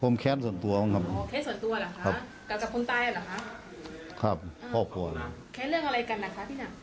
มีเรื่องอะไรกันนะคะพี่หนัก